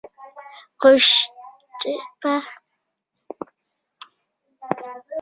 قوش تیپه د شمال دښتې زرغونوي